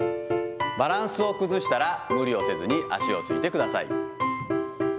バランスを崩したら無理をせずに足をついてください。